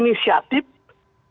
tapi yang paling menarik adalah apa